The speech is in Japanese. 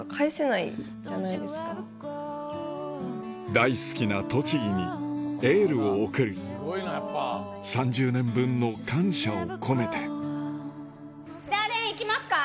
大好きな栃木にエールを送る３０年分の感謝を込めてじゃあいきますか？